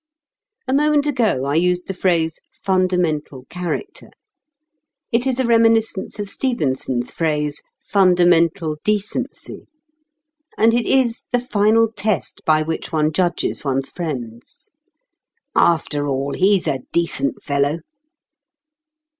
A moment ago I used the phrase "fundamental character." It is a reminiscence of Stevenson's phrase "fundamental decency." And it is the final test by which one judges one's friends. "After all, he's a decent fellow."